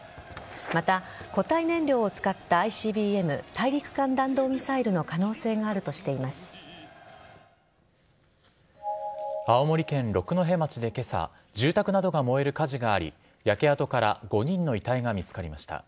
また、固体燃料を使ったＩＣＢＭ＝大陸間弾道ミサイルの青森県六戸町で今朝住宅などが燃える火事があり焼け跡から５人の遺体が見つかりました。